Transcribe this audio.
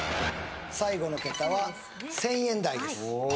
最後の桁は１０００円台です